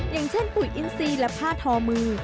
อย่างเช่นปุ๋ยอินซีและผ้าทอมือ